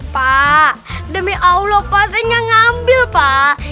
pak demi allah pak saya gak ngambil pak